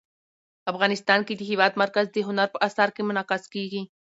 افغانستان کې د هېواد مرکز د هنر په اثار کې منعکس کېږي.